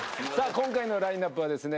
今回のラインアップはですね